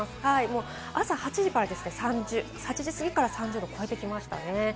朝８時すぎから、３０度を超えてきましたね。